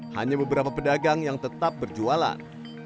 hanya beberapa pedagang yang tetap berjualan